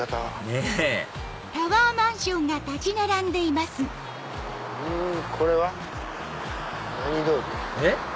ねぇこれは何通り？えっ？